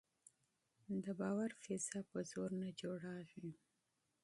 د باور فضا په زور نه جوړېږي